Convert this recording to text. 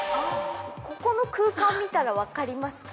◆ここの空間見たら分かりますか？